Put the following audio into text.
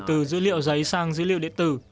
từ dữ liệu giấy sang dữ liệu điện tử